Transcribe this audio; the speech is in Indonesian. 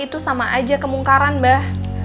itu sama aja kemungkaran mbah